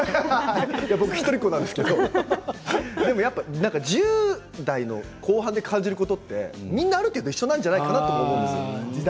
僕、一人っ子なんですけど１０代の後半で感じることってみんなある程度一緒なんじゃないかなと思うんです。